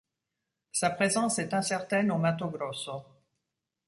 Sa présence est incertaine au Mato Grosso.